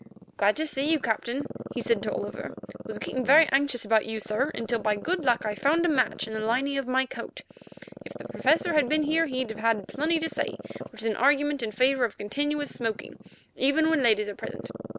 "Glad to see you, Captain," he said to Oliver. "Was getting very anxious about you, sir, until by good luck I found a match in the lining of my coat. If the Professor had been here he'd have had plenty, which is an argument in favour of continuous smoking, even when ladies are present.